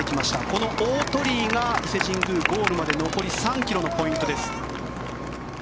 この大鳥居が伊勢神宮、ゴールまで残り３ｋｍのポイントです。